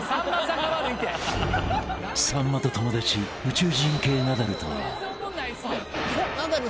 ［さんまと友達宇宙人系ナダルと］